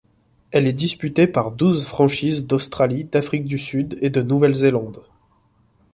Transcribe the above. Elle est disputée par douze franchises d'Australie, d'Afrique du Sud et de Nouvelle-Zélande.